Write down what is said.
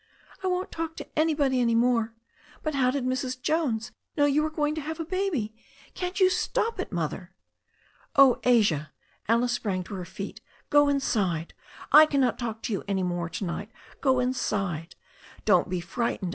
"I won't talk to anybody any more. But how did Mrs. Jones know you were going to have a baby? Can't you stop it, Mother?" "Oh, Asia" — ^Alice sprang to her feet — ^"go inside! I cannot talk to you any more to night Go inside. Don't be frightened.